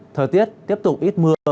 thời tiết tiếp tục ít mưa